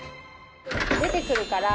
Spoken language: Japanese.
出てくるから。